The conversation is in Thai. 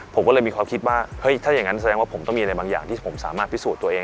ผมก็เลยมีความคิดว่าเฮ้ยถ้าอย่างนั้นแสดงว่าผมต้องมีอะไรบางอย่างที่ผมสามารถพิสูจน์ตัวเอง